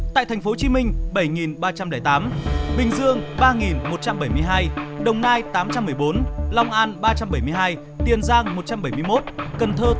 tại tp hcm bảy ba trăm linh tám bình dương ba một trăm bảy mươi hai đồng nai tám trăm một mươi bốn long an ba trăm bảy mươi hai tiền giang một trăm bảy mươi một cần thơ